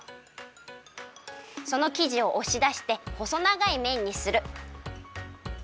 そのきじをおしだしてほそながいめんにする。